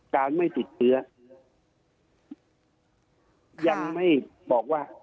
การไม่ติดเชื้อยังไม่บอกว่า๑๐๐